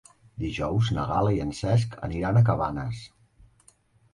Dijous na Gal·la i en Cesc aniran a Cabanes.